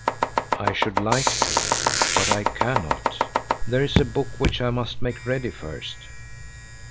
"I should like to, but I cannot. There is a book which I must make ready first."